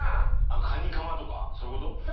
カニカマとかそういうこと？